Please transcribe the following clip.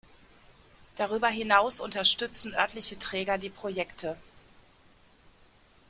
Darüber hinaus unterstützen örtliche Träger die Projekte.